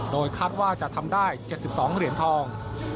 โดยคาดว่าจะทำได้๗๒เหรียญทอง